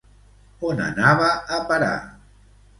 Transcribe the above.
On anava a parar?